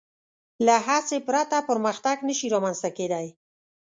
له هڅې پرته پرمختګ نهشي رامنځ ته کېدی.